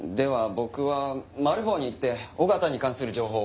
僕はマル暴に行って緒方に関する情報を。